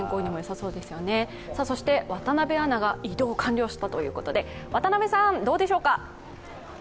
そして渡部アナが移動完了したということで渡部さん、どうでしょうか？